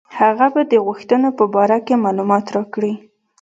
هغه به د غوښتنو په باره کې معلومات راکړي.